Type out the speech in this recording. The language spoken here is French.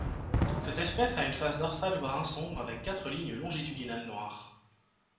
Cette espèce a une face dorsale brun sombre avec quatre lignes longitudinales noires.